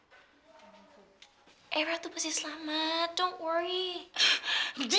tante saphira era tuh mesti selamat jangan risau